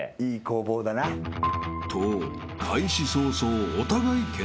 ［と開始早々］